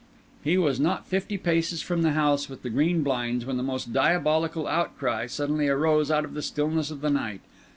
He was not fifty paces from the house with the green blinds when the most diabolical outcry suddenly arose out of the stillness of the night.